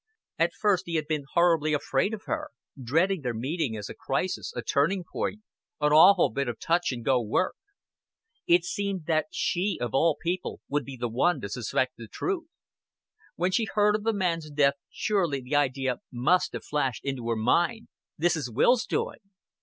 At first he had been horribly afraid of her dreading their meeting as a crisis, a turning point, an awful bit of touch and go work. It seemed that she of all people would be the one to suspect the truth. When she heard of the man's death, surely the idea must have flashed into her mind: "This is Will's doing."